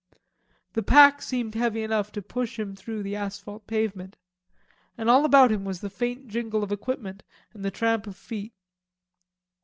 The pack seemed heavy enough to push him through the asphalt pavement. And all about him was the faint jingle of equipment and the tramp of feet.